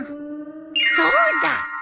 そうだ！